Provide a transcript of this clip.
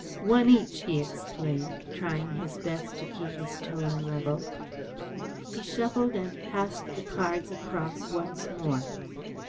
"One each," he exclaimed, trying his best to keep his tone level. He shuffled and passed the cards across once more.